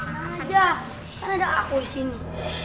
jangan aja kan ada aku disini